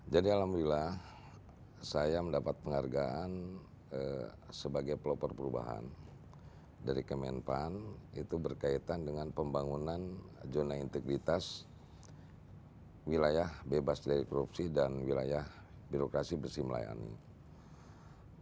jadi alhamdulillah saya mendapat penghargaan sebagai pelopor perubahan dari kemenpan itu berkaitan dengan pembangunan zona integritas wilayah bebas dari korupsi dan wilayah birokrasi bersih melayani